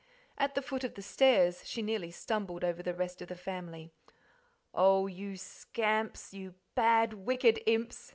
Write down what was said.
At the foot of the stairs she nearly stumbled over the rest of the family. "Oh, you scamps, you bad, wicked imps!"